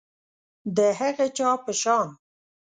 د هغه چا په شان